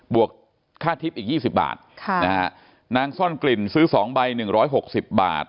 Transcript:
บวกค่าทิศอีก๒๐บาทนางซ่อนกลิ่นซื้อ๒ใบ๑๖๐บาท